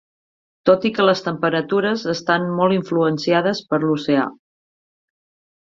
Tot i que les temperatures estan molt influenciades per l'oceà.